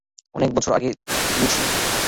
অনেক বছর আগে গিয়েছিলাম।